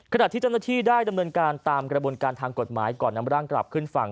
ขณะที่เจ้าหน้าที่ได้ดำเนินการตามกระบวนการทางกฎหมายก่อนนำร่างกลับขึ้นฝั่ง